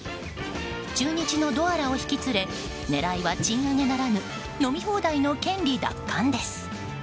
中日のドアラを引き連れ狙いは賃上げならぬ飲み放題の権利奪還です。